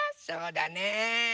そうだね。